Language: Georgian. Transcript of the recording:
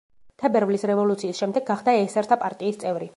თებერვლის რევოლუციის შემდეგ გახდა ესერთა პარტიის წევრი.